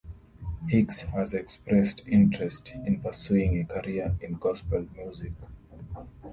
Hicks has expressed interest in pursuing a career in gospel music.